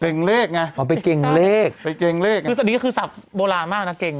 เกรงเลขไงอ๋อไปเกรงเลขไปเกรงเลขคือสันนี้คือศัพท์โบราณมากน่ะเกรง